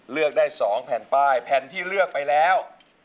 เลือกได้๒แผ่นป้ายแผ่นที่เลือกไปแล้ว